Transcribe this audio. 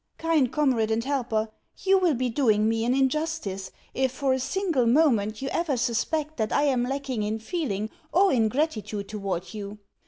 Kind comrade and helper, you will be doing me an injustice if for a single moment you ever suspect that I am lacking in feeling or in gratitude towards you.